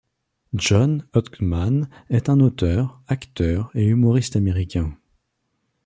John Hodgman est un auteur, acteur et humoriste américain.